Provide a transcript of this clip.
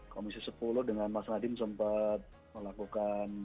komisi sepuluh dengan mas nadiem sempat melakukan